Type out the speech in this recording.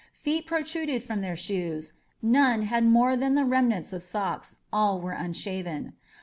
Feet protruded from their shoes, none had more than the remnants of socks, all were unshaven.